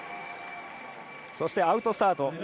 そしてアウトスタート